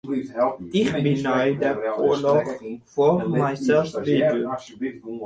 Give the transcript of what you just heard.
Ik bin nei de oarloch foar mysels begûn.